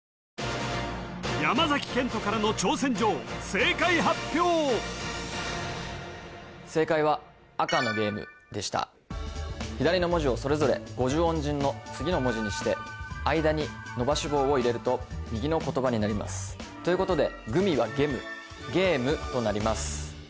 正解発表正解は左の文字をそれぞれ５０音順の次の文字にして間に伸ばし棒を入れると右の言葉になりますということで「グミ」は「ゲム」「ゲーム」となります